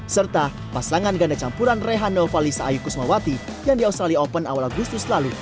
serta pasangan ganda campuran rehano valisa ayu kusmawati yang di australia open awal agustus lalu